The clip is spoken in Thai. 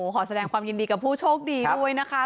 ขอแสดงความยินดีกับผู้โชคดีด้วยนะคะ